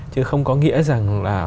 chứ không có nghĩa rằng là